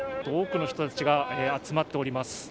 多くの人たちが集まっております。